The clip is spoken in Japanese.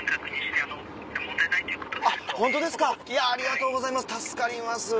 ホントですかありがとうございます助かります。